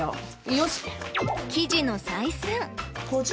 よし。